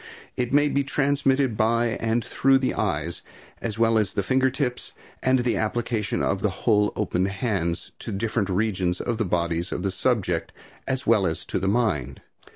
It may be transmitted by and through the eyes, as well as the finger tips, and the application of the whole open hands, to different regions of the body of the subject, as well as to the mind.